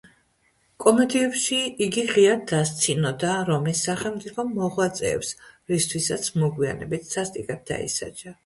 კომედიებში იგი ღიად დასცინოდა რომის სახელმწიფო მოღვაწეებს, რისთვისაც მოგვიანებით სასტიკად დაისაჯა.